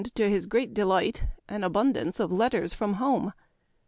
35 to his great delight, an abundance of letters from home.